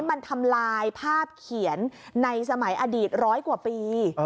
มันทำลายภาพเขียนในสมัยอดีตร้อยกว่าปี